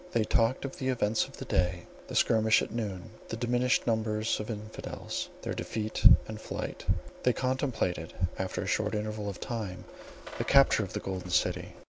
They talked of the events of the day; the skirmish at noon; the diminished numbers of the Infidels; their defeat and flight: they contemplated, after a short interval of time, the capture of the Golden City.